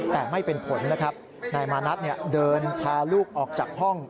แต่ไม่เป็นผลนะครับนายมานัดเดินพาลูกออกจากห้อง